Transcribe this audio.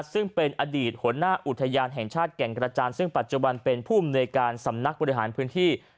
ซึ่งเป็นอดีตหัวหน้าอุทยานแห่งชาติแก่งกระจานซึ่งปัจจุบันเป็นผู้อำนวยการสำนักบริหารพื้นที่